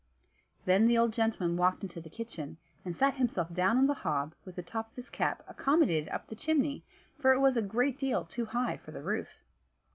Then the old gentleman walked into the kitchen, and sat himself down on the hob, with the top of his cap accommodated up the chimney, for it was a great deal too high for the roof.